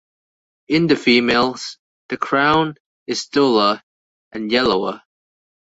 In the females, the crown is duller and yellower.